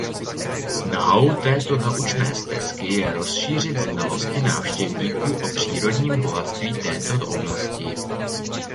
Snahou této naučné stezky je rozšířit znalosti návštěvníků o přírodním bohatství této oblasti.